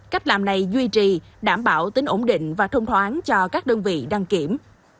cách làm này duy trì đảm bảo tính ổn định và thông thoáng cho các đơn vị đăng kiểm